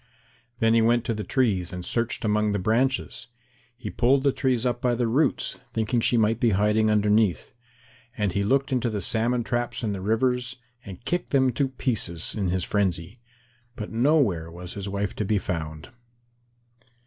Then he went to the trees and searched among the branches. He pulled the trees up by the roots, thinking she might be hiding underneath. And he looked into the salmon traps in the rivers, and kicked them to pieces in his frenzy. But nowhere was his wife to be found.